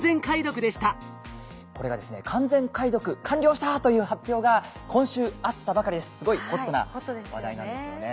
これがですね「完全解読完了した」という発表が今週あったばかりですごいホットな話題なんですよね。